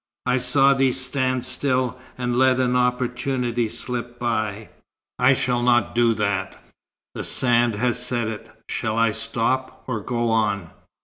"I saw thee stand still and let an opportunity slip by." "I shall not do that." "The sand has said it. Shall I stop, or go on?"